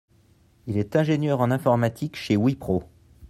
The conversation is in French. Il est ingénieur en informatique chez WIPRO.